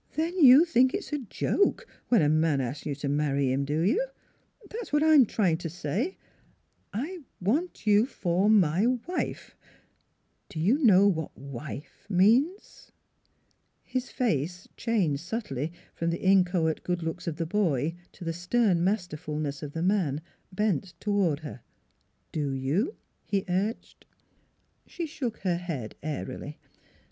"Then you think it's a joke, when a man asks you to marry him, do you? That's what I'm trying to say. I want 28o NEIGHBORS you for my wife I ... Do you know what wife means? " His face, changed subtly from the inchoate good looks of the boy to the stern masterfulness of the man bent toward her. " Do you? " he urged. She shook her head airily.